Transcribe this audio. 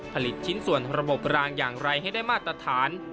ผลิตชิ้นส่วนระบบรางอย่างไรให้ได้มาตรฐาน